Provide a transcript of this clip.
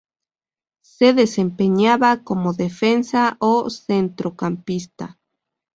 Se desempeñaba como defensa o centrocampista.